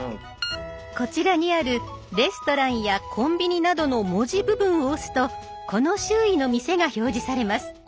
こちらにある「レストラン」や「コンビニ」などの文字部分を押すとこの周囲の店が表示されます。